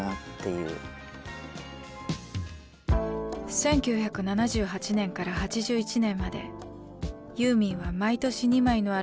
１９７８年から８１年までユーミンは毎年２枚のアルバムを発表。